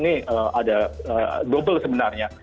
ini ada dobel sebenarnya